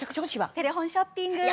テレフォンショッピング。